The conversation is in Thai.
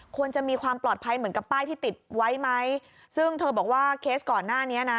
ควรจะมีความปลอดภัยเหมือนกับป้ายที่ติดไว้ไหมซึ่งเธอบอกว่าเคสก่อนหน้านี้นะ